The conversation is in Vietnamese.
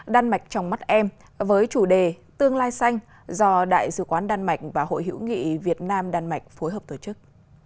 đan mạch trong mắt em với chủ đề tương lai xanh do đại sứ quán đan mạch và hội hữu nghị việt nam đan mạch phối hợp tổ chức